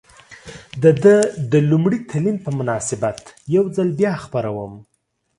د ده د لومړي تلین په مناسبت یو ځل بیا خپروم.